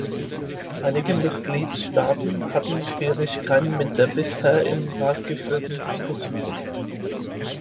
Einige Mitgliedstaaten hatten Schwierigkeiten mit der bisher im Rat geführten Diskussion.